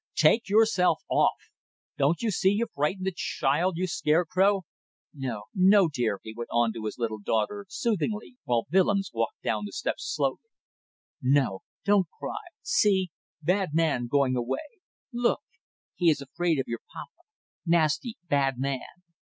"Take yourself off! Don't you see you frighten the child you scarecrow! No, no! dear," he went on to his little daughter, soothingly, while Willems walked down the steps slowly. "No. Don't cry. See! Bad man going away. Look! He is afraid of your papa. Nasty, bad man.